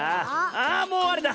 あもうあれだ！